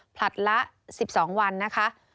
ผลัดละ๑๒วันนะคะ